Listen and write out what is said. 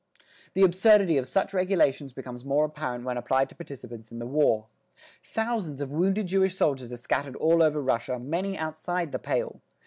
The absurdity of such regulations becomes more apparent when applied to participants in the war. Thousands of wounded Jewish soldiers are scattered all over Russia, many outside the "Pale."